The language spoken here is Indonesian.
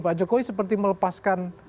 pak jokowi seperti melepaskan